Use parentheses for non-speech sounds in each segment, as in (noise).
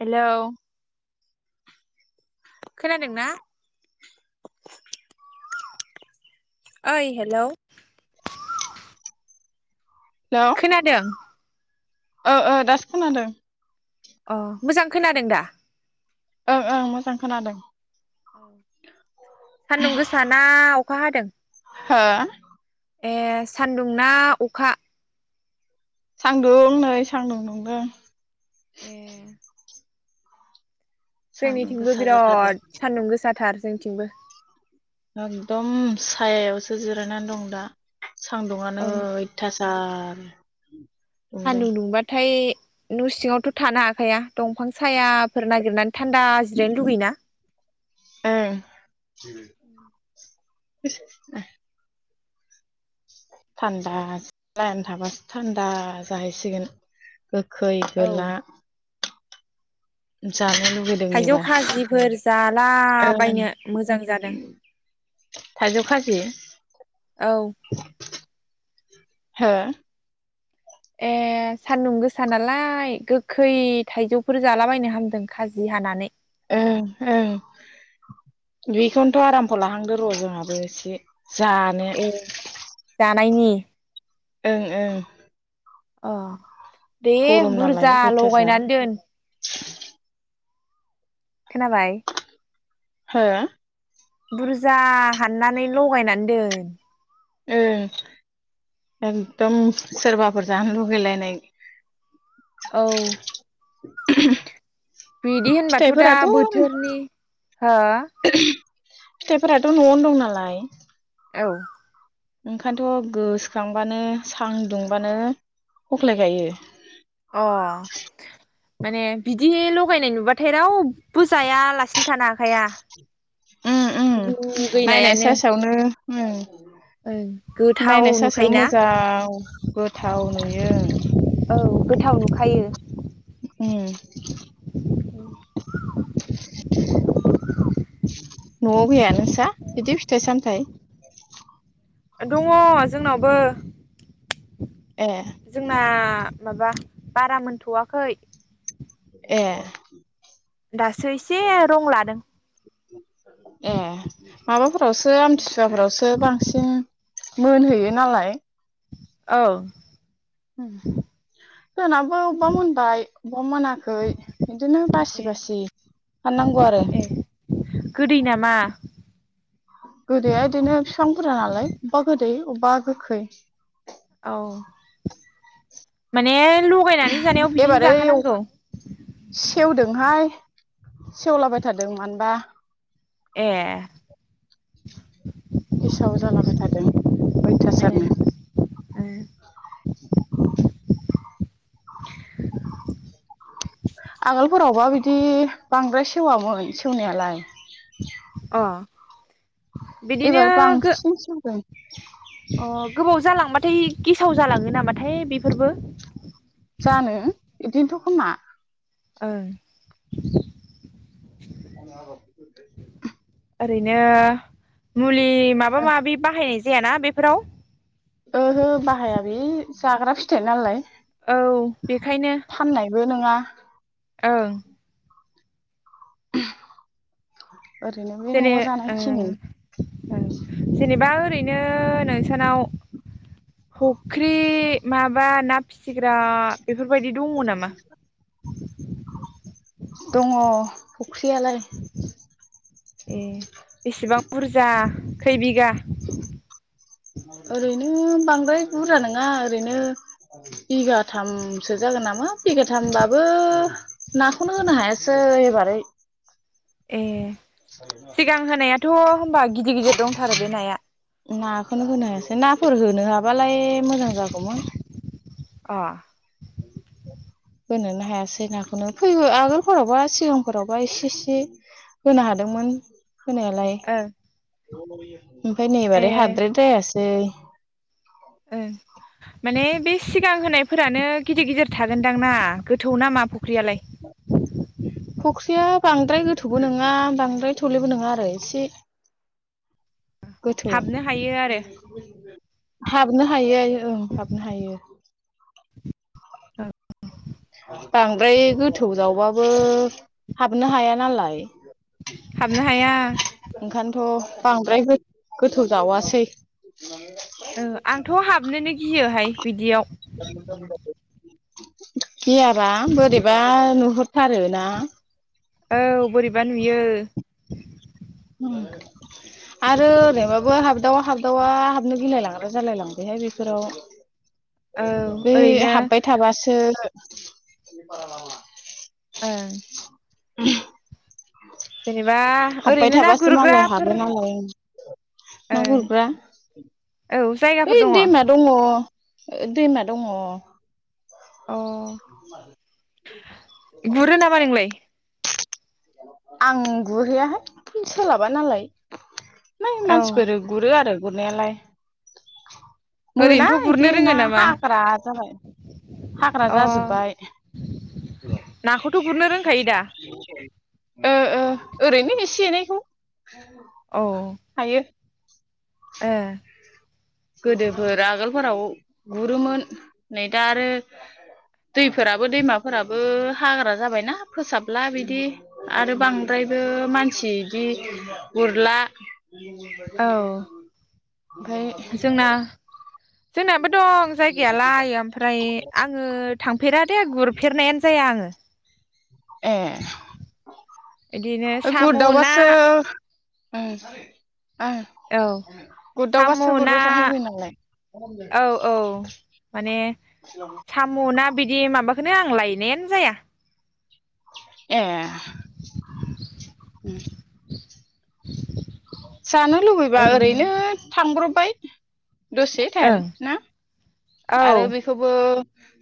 Hello खोनादोंना ओइ hello खोनादों। औ औ दासो खोनादों। अ मोजां खोनादों दा। ओं ओं मोजां खोनादों। औ सान्दुं गोसाना अखा हादों। हो ए सान्दुं ना अखा सान्दुं नै सान्दुं दुंदों ए सान्दुं जोंनिथिंबो गोसा जाथारदों बिराद सान्दुं गोसाथार जोंथिंबो एकदम सायायावसो जिरायना दं दा सान्दुुंआनो ओं अयथासार आरो सान्दुं दुंबाथाय न' सिंआवथ थानो हाखाया दंफां सायाफोर नागिरनानै थान्दा जिरायनो लुगैयोना? ओ (unintelligible) (unintelligible) थान्दा (unintelligible) थाबासो थान्दा जाहै सिगोन गोखै औ गोला (unintelligible) लुुबैदों थाइजौ एबार खाजिफोर जाला ओं बायनो मोजां जादों थाइजौ खाजि औ हो ए सान्दुं गोसा नालाय गोखै थाइजौफोर जालाबायनो हामदों खाजि हानानै ओं औ बेखौनोथ' आरामखौ लाहांदो र' जोंहाबो एसे जानो नायनि ओं ओं अ दे गरम नालाय बुरजा अयथासार लगायनानै दोन खोनाबाय हो बुरजा हाननानै लगायनानै दोन ओ एकदम सोरबाफोर जानो लुगैलायनाय औ (unintelligible) बिदि होनबाथ' दा फिथाइफोराथ' बोथोरनि हो फिथाइफोराथ' न'आवनो दं नालाय औ ओंखायनोथ' गोसोखांबानो सांदुंबानो हख्लाय खायो अ माने बिदि लगायनाय नुबा थाय रावबो जायालासिनो थानो हाखाया उम उम नायनाय लुगैनायानो साय्सावनो उम ओं गोथाव नायनाय साय्सावनो नुखायोना मोजां गोथाव नुयो ओं औ गोथाव नुखायो उम न'आव गैया नोंसा बिदि फिथाइ सामथाइ? दङ' जोंनावबो ए जोंना मा माबा बारा मोनथ'आखै ए दासो एसे रं लादों। ए माबाफोरावसो आमथिसुवाफोरावसो बांसिन मोनहैयो नालाय। औ उम जोनाबो अबबा मोनबाय अबबा मोनाखै इदिनो ए बासि बासि हाननांगौ आरो ए गोदै नामा? गोदोया इदिनो बिफां बुरजा नालाय अबबा गोद दै अब्बा गोखै। औ माने लगायनानै जानायाव बिदिनो एबारै अ जाखानांगौ सेवदोंहाय सेवलाबायथारदों मानबा ए गेसाव जालाबायथारदों ए अयथासारनो (inaudible) ए आगोलफोरावबा बिदि बांद्राय सेवामोन सेवनायालाय अ बिदिनो एबार गो बांसिन सेवदों अ गोबाव जालांबाथाय गेसाव जालाङो नामाथाय बे जानो इदिनोथ' खोमा। ओं (unintelligible) ओरैनो मुलि माबा माबि बाहायनायस जायाना बेफोराव ओहो बाहाया बे जाग्रा फिथाइ नालाय। औ बेखायनो फाननायबो नोंङा। ओं ओरैनो बे जेरे न'आव ओ जानायखिनि ओ जेनेबा ओरैनो नोंसानाव फख्रि माबा नाब फिसिग्रा बेफोरबायदि दङ नामा? दङ। फख्रियालाय ए बेसेबां बुरजा? खै बिघा? ओरैनो बांद्राय बुरजा नङा ओरैनो बिगाथामसो जागोन नामा बिगाथामबाबो नाखौनो होनो हायासै एबारै ए सिगां होनायाथ' होनबा गिदिर गिदिर दंथारो बे नाया। ना खौनो होनो हायासै नाफोर होनो हाबालाय से मोजां जागौमोन। अ होनोनो हायासै नाखौनो फै आगोलफोरावबा सिगांफोरावबा इसे इसे होनो हादोंमोन। होनालाय। ओं (unintelligible) ओमफाय नै ए एबारै हाद्राय द्रायास दै ओं माने बे सिगां होनायफोरानो गिदिर गिदिर थागोनदां ना गोथौ नामा फुख्रियालाय? फुख्रिया बांद्राय गोथौबो नङा बांद्राय थौलेबो नङा आरो इसे गोथौ हाबनो हायो आरो हाबनो हायो ओं हाबनो हायो। (unintelligible) बांद्राय गोथौ जावबाबो हाबनो हाया नालाय हाबनो हाया ओंखायनोथ' बांद्राय गोथौ जावासै ओ आंथ' हाबनोनो गियोहाय बिदियाव गियाबा बोरैबा नुहरथारोना औ बोरैबा नुयो (inaudible) आरो ओरैबाबो हाबदावा हाबदावा हाबनो गिलायलांग्रा जालाय लांबायहाय बेफोराव औ बे ओरैनो हाबबाय थाबासो (unintelligible) ओ (unintelligible) जेनेबा ओरैनो ना गुरग्राफोर (inaudible) ओं नागुरग्रा औ जायगाफोर ओइ दङ दैमा दङ अ दैमा दङ अ (inaudible) गुरो नामा नोंलाय आं गुरहैयाहाय सोलाबा नालाय नै औ मानसिफोर गुरो आरो गुरनायालाय मोना ओरैनोथ' गुरनो इदि रोङो ना नामा हाग्रा जाबाय हाग्रा अ जाजोबबाय। नाखौथ' गुरनो रोंखायो दा ओ ओ ओरैनो एसे एनैखौ। औ हायो। ए। गोदोफोर आगोलफोराव गुरोमोन नै दा आरो दैफोराबो दैमाफोराबो हाग्रा जाबायना फोसाबला बिदि आरो बांद्रायबो मानसि बिदि गुरला। औ (inaudible) ओमफाय ना। जोंनाबो दं जायगायालाय ओमफ्राय आङो थांफेर ए गुरफेरनायानो जाया आङो। ए बिदिनो साम' ना गुरदावबासो उम ओं औ गुरदावबासो सामु', ना गुरबाय थानो लुबैयो नालाय औ औ माने सामु', ना बिदि माबा बेखौनो आं लायनायानो जाया। ए। (inaudible) जानो लुबैबा ओरैनो थांब्रब दसे टाइम ओं ना औ आरो बेखौबो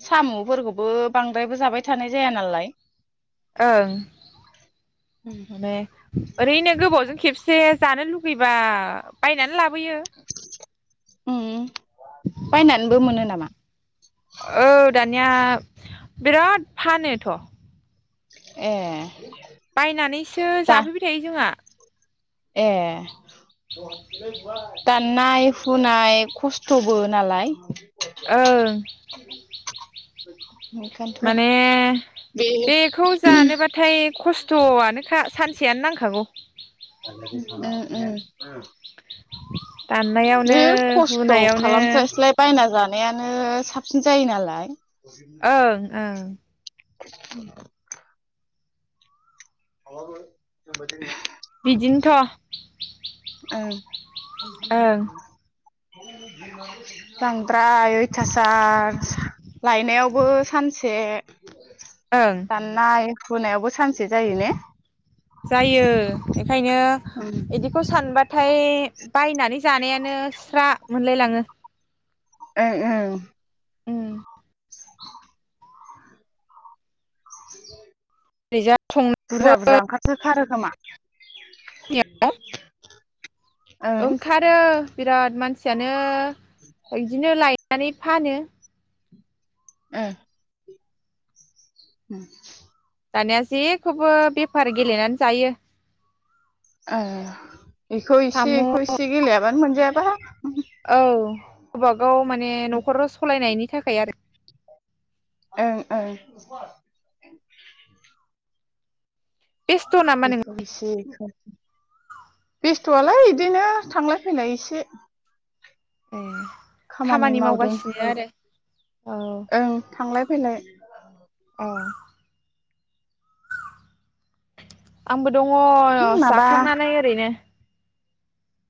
साम'फोरखौबो बांद्रायबो जाबाय थानाय जाया नालाय ओं माने ओरैनो गोबावजों खेबसे। एसे जानो लुुबैबा बायनानै ला बोयो। उम। बायनानैबो मोनो नामा? औ दानिया बिराद फानोथ'। ए बायनानैसो दा जाफैबाय थायो जोंहा। ए दाननाय हुनाय खस्थ'बो नालाय। ओं (inaudible) माने बे बेखौ जानोबाथाय खस्थ'आनोखा सानसेयानो नांखागौ। (inaudible) ओ ओं दाननायावनो बे खस्थ' हुनायावनो खालामस्लायस्लाय बायना जा अनायानो साबसिन जायो नालाय ओं ओं (inaudible) आबबो जाबाय दिनि बिदिनोथ' ओं ओं (inaudible) जां फ्राय अयथासार लायनायावबो सानसे ओं दाननाय हुनायावबो सानसे जायो ने जायो बेखायनो ओं बिदिखौ सानबा थाइ ओमफ्राय बायनानै जानायानो स्रा मोनलायलाङो ओं ओं उम (inaudible) (inaudible) जा बुरजा बुरजा ओंखारथोर खोमा (unintelligible) ओं ओंखारो बिराद मानसियानो जदिनो लाय नानै फानो ओं (inaudible) दानिया जेखौबो बेफार गेलेनानै जायो ओह बेखौ साम' इसे इखौ इसे गेलेया मोन आब औ गावबा गाव माने न'खराव सालायनायनि थाखाय आरो ओं ओं बेस्थ' नामा नों बेखौ बिसे बेस्थ'आलाय बिदिनो थांलाय फैलाय एसे एह खामानि मावगासिनो आरो औ ओं थांलाय फैलाय। औ आंबो दङ माबा जाखांनानै ओरैनो।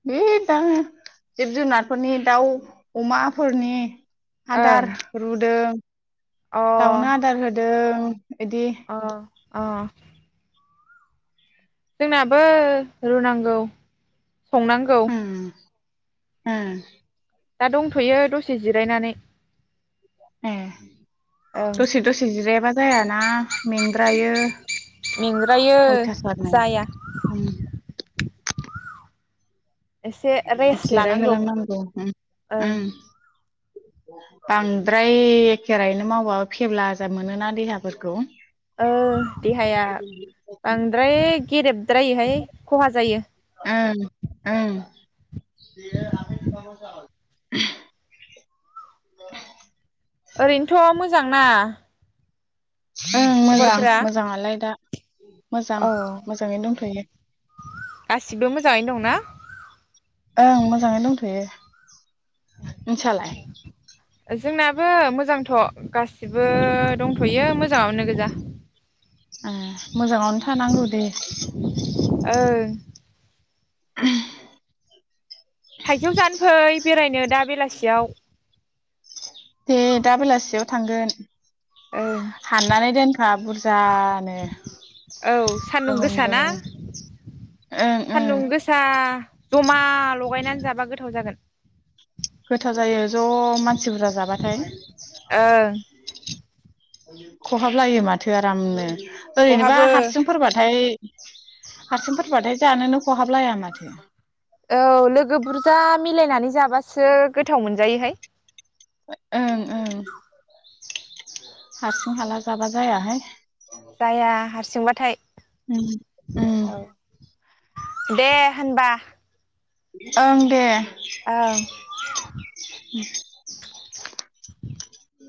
बे दा जिब जुनारफोरनि दाउ अमाफोरनि ओं आदार रुदों। अ दाउनो आदार होदों। बिदि अ अ जोंनाबो रुनांगौ। संनांगौ । ओम । दा दंथ'यो दसे जिरायनानै । ओम ओं दसे दसे जिरायाबा जायाना मेंद्रायो । मेंद्रायो जाया । उम एसे रेस्ट जिराय लानांगौ होलां नांगौ ओ ओं ओम । बांद्राय एखे राहैनो मावब्ला फेब्लाजाथ मोनोना देहाफोरखौ । ओ । देहाया बांद्राय गेरेब ओम ओम । बेयो आखाय सुवा (unintelligible) (inaudible) ओरैनोथ' मोजांना? ओं मोजां खबरफोरा मोजाङालाय दा मोजां औ मोजाङैनो दंथ'यो गासिबो मोजाङैनो दंना । ओं मोजाङै दंथ'यो । नोंसा लाय? जोंनाबो मोजांथ' गासिबो दंथ'यो मोजाङावनो गोजा । ओ मोजाङावनो थानांगौ दे । ओ । (inaudible) थाइजौ जानो फै बेरायनो दा बेलासियाव । दे दा बेलासियाव थांगोन ओं । हाननानै दोन खा बुरजानो औ सान्दुं गोमोन गोसा ना गोमोन । ओं ओं सान्दुं । गोसा जमा लगायनानै जाबा गोथाव जागोन । गोथाव जायो ज' मा नसि बुरजा जाबाथाय ओं । खहाबलायो माथो आरामनो । ओरैनोबा खहाबो हारसिंफोरबाथाय हारसिंफोरबाथाय जानोनो खहाबलाया माथो । औ लोगो बुरजा मिलायनानै जाब बासो गोथाव मोन जायोहाय । ओं ओं हारसिं हाला जाबा जायाहाय जाया हारसिंबाथाय ओं औ दे होनबा ओं दे ओं (unintelligible) (unintelligible)